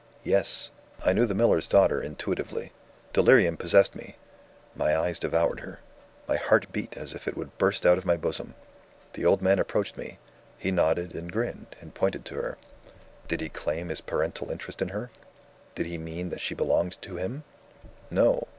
Yes! I knew the miller's daughter intuitively. Delirium possessed me; my eyes devoured her; my heart beat as if it would burst out of my bosom. The old man approached me; he nodded, and grinned, and pointed to her. Did he claim his parental interest in her? Did he mean that she belonged to him? No!